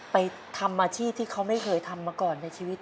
ทำอาชีพที่เขาไม่เคยทำมาก่อนในชีวิต